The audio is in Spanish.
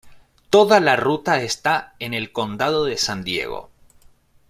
Toda la ruta está en el condado de San Diego.